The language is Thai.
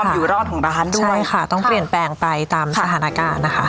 อยู่รอดของร้านด้วยค่ะต้องเปลี่ยนแปลงไปตามสถานการณ์นะคะ